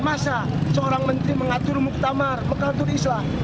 masa seorang menteri mengatur muktamar mengatur islah